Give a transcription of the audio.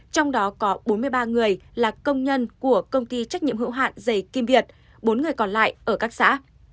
trong đó có bốn mươi ba người là công nhân của công ty trách nhiệm hữu hạn dày kim việt bốn người còn lại ở các xã